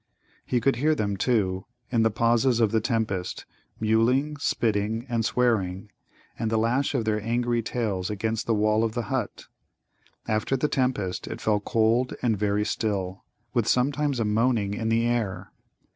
He could hear them, too, in the pauses of the tempest, mewling, spitting, and swearing, and the lash of their angry tails against the wall of the hut. After the tempest, it fell cold and very still, with sometimes a moaning in the air.